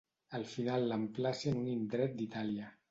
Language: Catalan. Al final l'emplaci en un indret d'Itàlia.